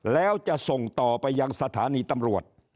แล้วจะส่งต่อไปยังสถานีตำรวจ